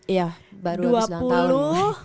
iya baru habis ulang tahun